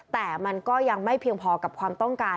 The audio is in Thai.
แต่มันก็ยังไม่เพียงพอกับความต้องการ